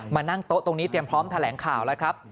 มานั่งโต๊ะตรงนี้เตรียมพร้อมแถลงข่าวแล้วครับ